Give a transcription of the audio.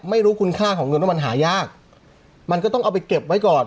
ไม่รู้คุณค่าของเงินว่ามันหายากมันก็ต้องเอาไปเก็บไว้ก่อน